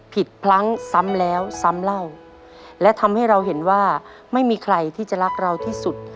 พลั้งซ้ำแล้วซ้ำเล่าและทำให้เราเห็นว่าไม่มีใครที่จะรักเราที่สุด